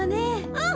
うん。